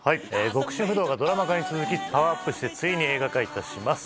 極主夫道がドラマ化に続き、パワーアップして、ついに映画化いたします。